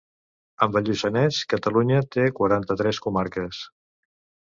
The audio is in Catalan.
Amb el Lluçanès, Catalunya té quaranta-tres comarques.